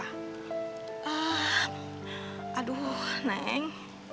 hmm aduh neng